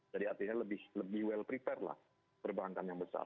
jadi artinya lebih well prepare lah perbankan yang besar